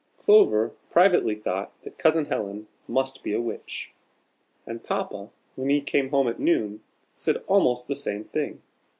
Clover privately thought that Cousin Helen must be a witch; and Papa, when he came home at noon, said almost the same thing.